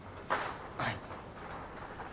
はい。